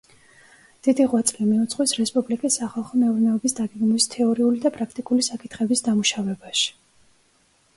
დიდი ღვაწლი მიუძღვის რესპუბლიკის სახალხო მეურნეობის დაგეგმვის თეორიული და პრაქტიკული საკითხების დამუშავებაში.